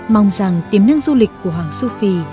mong rằng tiếm nâng du lịch của hoàng su phi